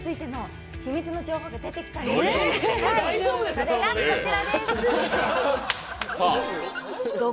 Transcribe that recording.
それがこちらです。